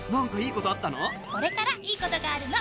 これからいいことがあるの。